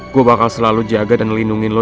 gue bakal selalu jaga dan lindungi lo